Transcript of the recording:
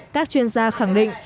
các chuyên gia khẳng định